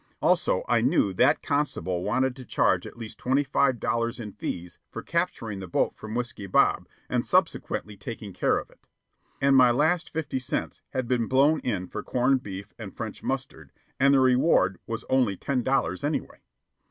Also, I knew that constable wanted to charge at least twenty five dollars in fees for capturing the boat from Whiskey Bob and subsequently taking care of it. And my last fifty cents had been blown in for corned beef and French mustard, and the reward was only ten dollars anyway.